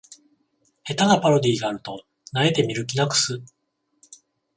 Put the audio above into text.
下手なパロディがあると萎えて見る気なくす